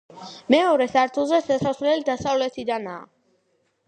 მეორე სართულზე შესასვლელი დასავლეთიდანაა.